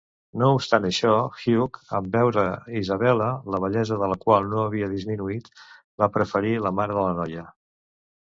No obstant això, Hugh, en veure Isabella, la bellesa de la qual no havia disminuït, va preferir la mare de la noia.